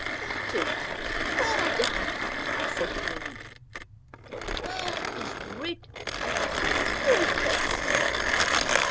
" That was well done," said the woman. " The world is rid of a cruel pest."